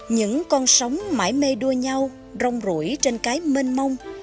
những con sóng mãi mê đua nhau rong rủi trên cái mênh mông